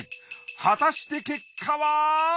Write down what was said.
果たして結果は！？